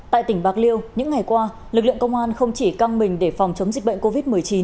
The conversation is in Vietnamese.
tại tỉnh bạc liêu những ngày qua lực lượng công an không chỉ căng mình để phòng chống dịch bệnh covid một mươi chín